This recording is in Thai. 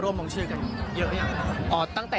ลงชื่อกันเยอะหรือยังครับ